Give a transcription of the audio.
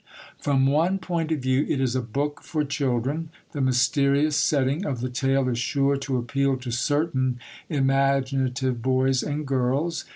From one point of view it is a book for children; the mysterious setting of the tale is sure to appeal to certain imaginative boys and girls.